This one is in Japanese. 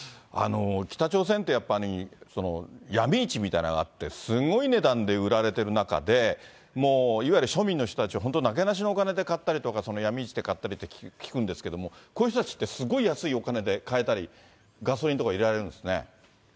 北朝鮮ってやっぱり、闇市みたいなのがあって、すごい値段で売られてる中で、もういわゆる庶民の人たちは本当になけなしのお金で買ったりとか、その闇市で買ったりって、聞くんですけど、こういう人たちって、すごい安いお金で買えたり、ガソリンとか入れられるんですね。